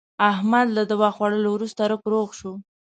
احمد له دوا خوړلو ورسته رک روغ شو.